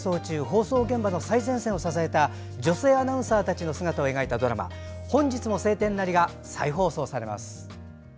放送現場の最前線を支えた女性アナウンサーたちの姿を描いたドラマ「本日も晴天なり」が再放送されます。